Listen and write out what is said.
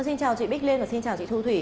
xin chào chị bích liên và xin chào chị thu thủy